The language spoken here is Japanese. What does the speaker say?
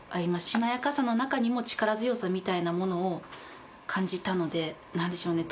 しなやかさの中にも力強さみたいなものを感じたのでなんでしょうね？